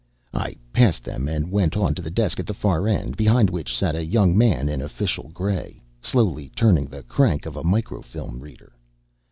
I passed them and went on to the desk at the far end, behind which sat a young man in official gray, slowly turning the crank of a microfilm reader.